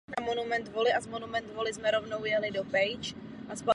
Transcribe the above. I ostatní.